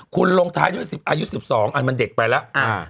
คุณลงท้ายอายุ๑๒มันเด็กไปแล้ว